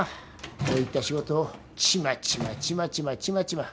こういった仕事をちまちまちまちまちまちま。